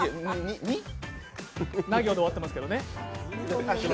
ナ行で終わってますけどね。